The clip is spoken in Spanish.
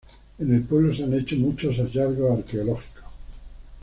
En el pueblo se han hecho muchos hallazgos arqueológicos.